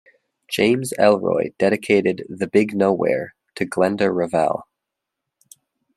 James Ellroy dedicated "The Big Nowhere" "To Glenda Revelle.